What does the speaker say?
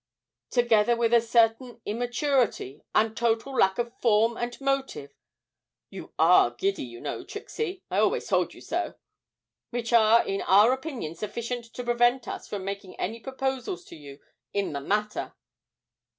together with a certain immaturity and total lack of form and motive (you are giddy, you know, Trixie, I always told you so), which are in our opinion sufficient to prevent us from making any proposals to you in the matter.'